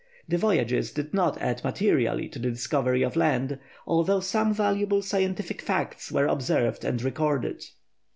The voyages did not add materially to the discovery of land, although some valuable scientific facts were observed and recorded.